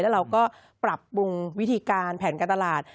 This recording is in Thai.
แล้วเราก็ปรับปรุงวิธีการแผนการตลาด